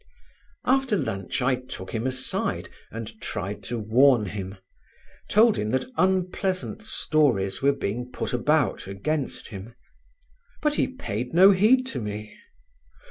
'" After lunch I took him aside and tried to warn him, told him that unpleasant stories were being put about against him; but he paid no heed to me.